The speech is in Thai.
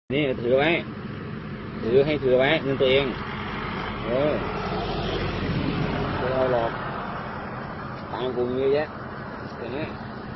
นี่ถือไว้ถือให้ถือไว้เนื้อเตียงโอ้ยถือเอาหลอกตามคุณเมื่อเยอะจ๊ะอย่างเนี้ย